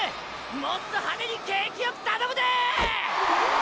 もっと派手に景気よく頼むで！